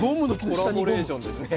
コラボレーションですね。